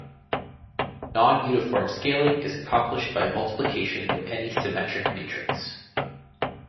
Non-uniform scaling is accomplished by multiplication with any symmetric matrix.